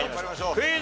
クイズ。